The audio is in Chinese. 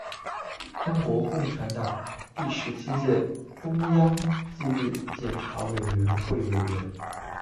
中国共产党第十七届中央纪律检查委员会委员。